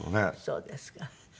そうですか。